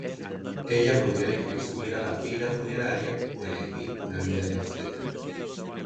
Ella podía elegir subir a la pira funeraria o elegir una vida de austeridad.